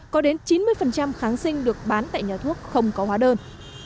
có đến chín mươi kháng sinh được bán tại nhà thuốc không có hóa đơn